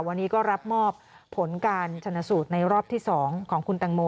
วันนี้ก็รับมอบผลการชนสูตรในรอบที่๒ของคุณตังโม